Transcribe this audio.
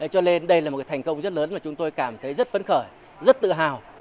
cho nên đây là một thành công rất lớn mà chúng tôi cảm thấy rất phấn khởi rất tự hào